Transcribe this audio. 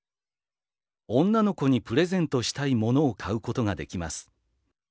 女の子にプレゼントしたい物を買うことができます。